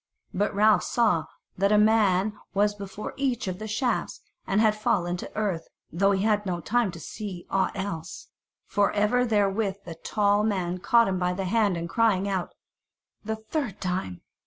But Ralph saw that a man was before each of the shafts, and had fallen to earth, though he had no time to see aught else, for even therewith the tall man caught him by the hand, and crying out, "The third time!"